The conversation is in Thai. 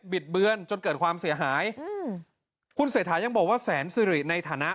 ิดเบือนจนเกิดความเสียหายอืมคุณเศรษฐายังบอกว่าแสนสิริในฐานะ